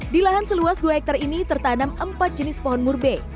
di lahan seluas dua hektare ini tertanam empat jenis pohon murbe